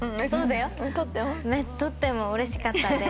「とっても」とってもうれしかったです。